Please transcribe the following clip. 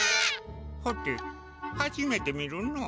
はてはじめて見るのう。